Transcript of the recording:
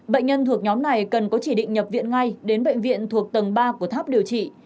bệnh nhân thuộc nhóm này cần có chỉ định nhập viện ngay đến bệnh viện thuộc tầng ba của tháp điều trị